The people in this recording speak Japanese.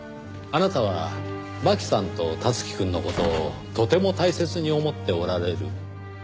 あなたは槙さんと樹くんの事をとても大切に思っておられる。